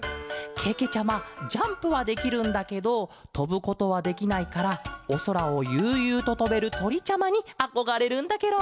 けけちゃまジャンプはできるんだけどとぶことはできないからおそらをゆうゆうととべるとりちゃまにあこがれるんだケロ。